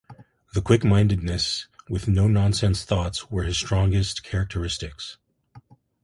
The quick mindedness with no-nonsense thoughts were his strongest characteristics.